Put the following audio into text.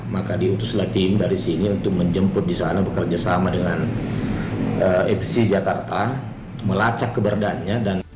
maka diutuslah tim dari sini untuk menjemput di sana bekerja sama dengan fc jakarta melacak keberadaannya